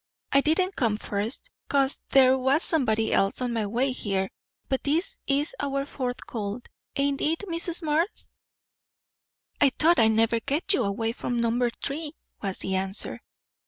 I didn't come first, 'cause there was somebody else on my way here; but this is our fourth call, ain't it, Mrs. Marx?" "I thought I'd never get you away from No. 3," was the answer.